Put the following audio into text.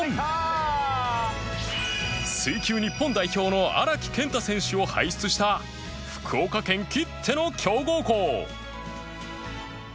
水球日本代表の荒木健太選手を輩出した福岡県きっての強豪校